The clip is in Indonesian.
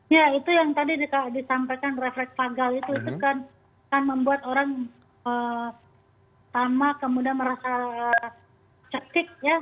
ya itu yang tadi disampaikan refleks pagal itu itu kan membuat orang sama kemudian merasa cekik ya